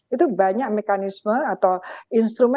itu banyak mekanisme atau instrumen